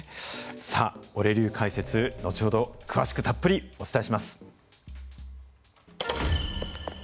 さあオレ流解説後ほど詳しくたっぷりお伝えします。